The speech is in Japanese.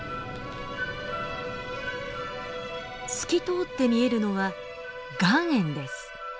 透き通って見えるのは岩塩です。